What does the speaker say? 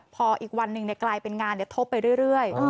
พออีกวันหนึ่งกลายเป็นงานทบไปเรื่อย